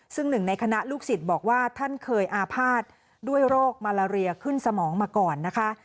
ซึ่งหนึ่งในคณะลูกศิษย์บอกว่าท่านเคยอาภาษณ์ด้วยโรคมาลาเรียขึ้นสมองมาก่อนนะคะ